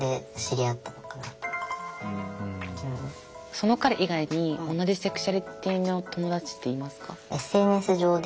その彼以外に同じセクシュアリティーの友達っていますか？